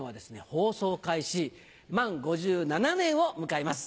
放送開始満５７年を迎えます。